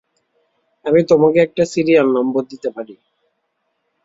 আমি তোমাকে একটা সিরিয়াল নম্বর দিতে পারি।